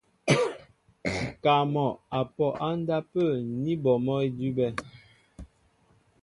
Ŋ̀kaa mɔ' a pɔ á ndápə̂ ní bɔ mɔ́ idʉ́bɛ̄.